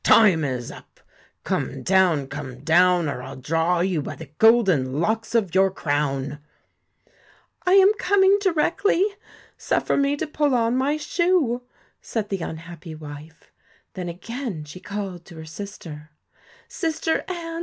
'Time is up, come down, come down, or I '11 draw you by the golden locks of your crown.' 4 1 am coming directly. Suffer me to pull on my shoe,' said the unhappy wife. Then again she called to her sister: 'Sister Anne!